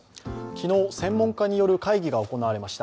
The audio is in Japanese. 昨日、専門家による会議が行われました。